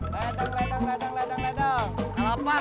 ledang ledang ledang ledang